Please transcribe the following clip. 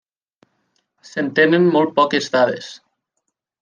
Se'n tenen molt poques dades.